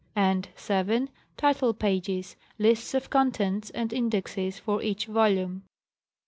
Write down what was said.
and (7) title pages, lists of contents and indexes for each volume.